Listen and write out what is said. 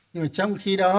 nhưng mà trong khi đó